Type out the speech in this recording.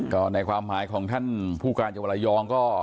ก็ในความหมายของท่านผู้การจังหวัดระยองก็